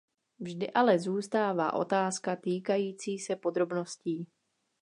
Vždy ale zůstává otázka týkající se podrobností.